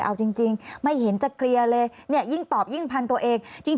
เอาจริงไม่เห็นจะเคลียร์เลยเนี่ยยิ่งตอบยิ่งพันตัวเองจริง